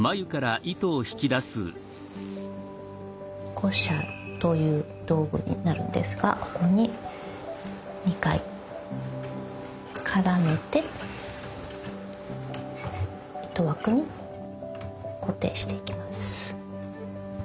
鼓車という道具になるんですがここに２回絡めて糸枠に固定していきます。